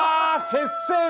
接戦！